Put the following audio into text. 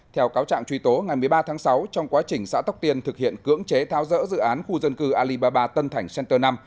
theo cáo trạng truy tố ngày một mươi ba tháng sáu trong quá trình xã tóc tiên thực hiện cưỡng chế thao dỡ dự án khu dân cư alibaba tân thành center năm